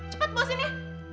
cepat bawa sini